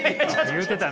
言うてたな。